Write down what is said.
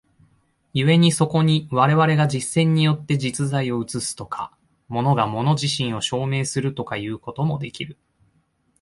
故にそこに我々が実践によって実在を映すとか、物が物自身を証明するとかいうこともできる。